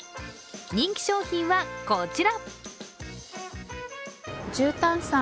人気商品はこちら。